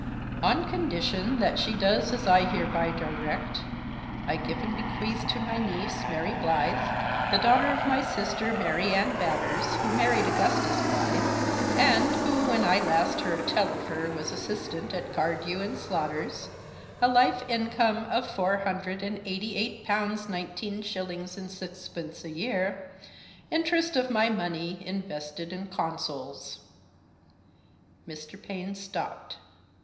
"' On condition that she does as I hereby direct I give and bequeath to my niece, Mary Blyth, the daughter of my sister, Mary Ann Batters, who married Augustus Blyth, and who when I last heard tell of her was assistant at Cardew & Slaughter's, a life income of Four Hundred and Eighty Eight Pounds Nineteen Shillings and Sixpence a year, interest of my money invested in Consols.' " Mr. Paine stopped.